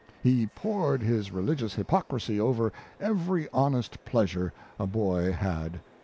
He poured his religious hypocrisy over every honest pleasure a boy had.